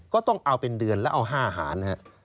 ก็ต้องเอาเป็นเดือนแล้วเอา๕หาร